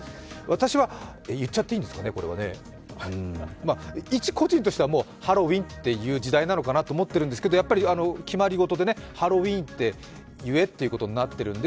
私は言っちゃっていいんですかね、これはね、一個人としてはハロウィンという時代なのかなと思っているんですけどやっぱり決まり事でハロウィーンって言えってことになっているんで。